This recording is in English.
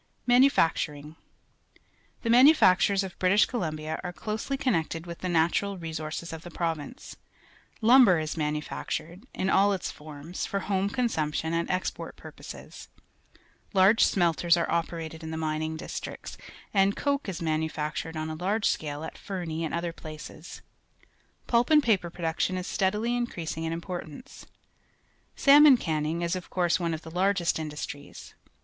Manufacturing. — The manufactures of British Columbia are closely connected with the natural resources of the province. Lum ber is manufactured, in all its forms, for home consumption and export purpo.ses. Large smelters are operated in the mining districts, and coke is manufactured on a large scale at Fernie and other places. Pulp and paper production is steacUly increasing in impor A Salmon Catch, British Columbia tance. Salmon canning is, of course, one of the largest industries.